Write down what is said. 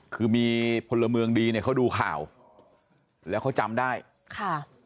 คือมีพลเมืองดีเนี่ยเขาดูข่าวแล้วเขาจำได้ค่ะ